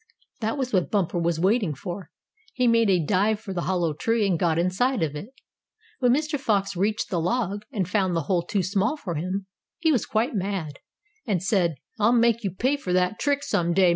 That was what Bumper was waiting for. He made a dive for the hollow tree, and got inside of it. When Mr. Fox reached the log, and found the hole too small for him, he was quite mad, and said: "I'll make you pay for that trick some day, Mr. Rabbit."